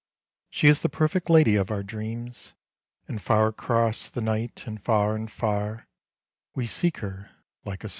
She is the perfect lady of our dreams, And far across the night and far and far We seek her like a star.